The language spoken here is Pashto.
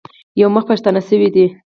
یو مخ پښتانه شوي دي.